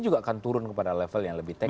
juga akan turun kepada level yang lebih teknis